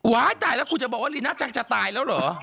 ว้ายว่าตายละจะบอกว่าลีน่าจังจะตายล่ะหรอ